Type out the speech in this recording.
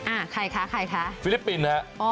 อ่าใครคะใครคะฟิลิปปินนะ